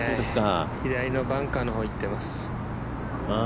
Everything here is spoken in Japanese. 左のバンカーの方、行ってます。